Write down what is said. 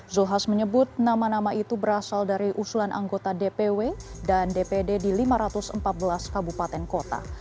zulkifli hasan menyebut nama nama itu berasal dari usulan anggota dpw dan dpd di lima ratus empat belas kabupaten kota